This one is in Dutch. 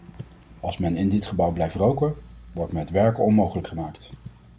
Als men in dit gebouw blijft roken, wordt me het werken onmogelijk gemaakt.